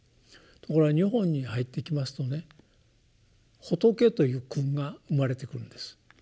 ところが日本に入ってきますとね「仏」という訓が生まれてくるんです。